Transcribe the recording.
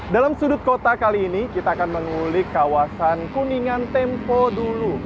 dalam sudut kota kali ini kita akan mengulik kawasan kuningan tempo dulu